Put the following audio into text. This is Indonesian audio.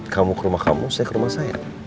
kamu ke rumah kamu saya ke rumah saya